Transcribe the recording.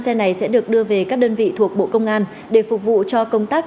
xe này sẽ được đưa về các đơn vị thuộc bộ công an để phục vụ cho công tác